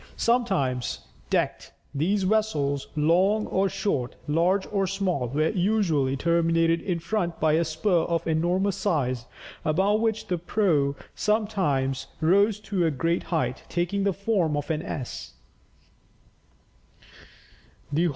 Sometimes decked, these vessels, long or short, large or small, were usually terminated in front by a spur of enormous size, above which the prow sometimes rose to a great height, taking the form of an S.